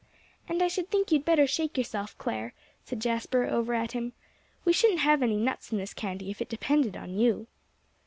"And I should think you'd better shake yourself, Clare," said Jasper, over at him. "We shouldn't have any nuts in this candy if it depended on you."